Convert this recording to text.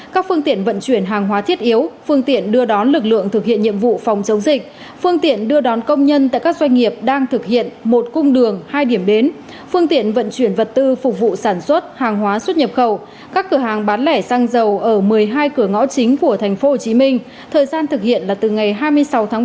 các phương tiện vận chuyển hàng hóa thiết yếu phương tiện đưa đón lực lượng thực hiện nhiệm vụ phòng chống dịch phương tiện đưa đón công nhân tại các doanh nghiệp đang thực hiện một cung đường hai điểm đến phương tiện vận chuyển vật tư phục vụ sản xuất hàng hóa xuất nhập khẩu các cửa hàng bán lẻ xăng dầu ở một mươi hai cửa ngõ chính của tp hcm thời gian thực hiện là từ ngày hai mươi sáu tháng một mươi